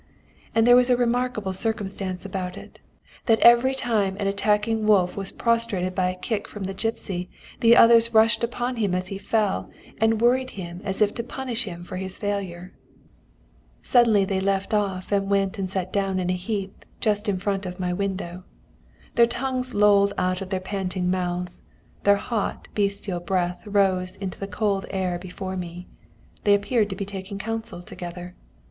"And there was this remarkable circumstance about it, that every time an attacking wolf was prostrated by a kick from the gipsy, the others rushed upon him as he fell, and worried him as if to punish him for his failure. "Suddenly they left off, and went and sat down in a heap just in front of my window. Their tongues lolled out of their panting mouths; their hot, bestial breath rose into the cold air before me. They appeared to be taking counsel together.